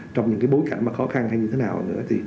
trong những bối cảnh khó khăn hay như thế nào nữa